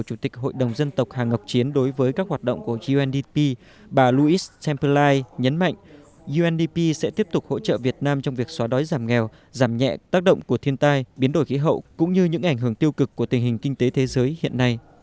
chủ tịch hội đồng dân tộc hà ngọc chiến đề nghị trong thời gian tới hai bên thường xuyên gặp gỡ trao đổi và chia sẻ thông tin tình hình cũng như các nghiên cứu có liên quan của undp cho hội đồng dân tộc hà ngọc chiến